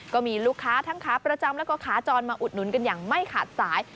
ก็มีลูกค้าทั้งขาประจำแล้วก็ขาจรมาอุดหนุนกันอย่างไม่ขาดสาย